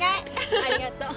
ありがとう。